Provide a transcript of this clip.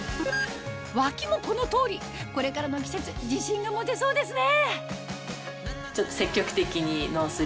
脇もこの通りこれからの季節自信が持てそうですね！